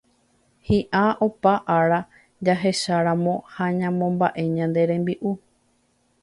Hi'ã opa ára jahecharamo ha ñamomba'e ñane rembi'u